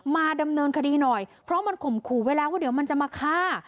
มาดำเนินคดีหน่อยเพราะมันข่มขู่ไว้แล้วว่าเดี๋ยวมันจะมาฆ่า